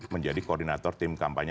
menjadi koordinator tim kampanye